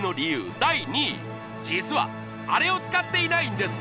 第２位実はあれを使っていないんです